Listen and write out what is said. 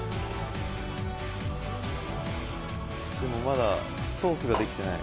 でもまだソースができてない。